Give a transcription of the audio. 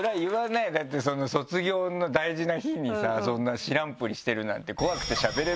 だって卒業の大事な日にさそんな知らんぷりしてるなんて。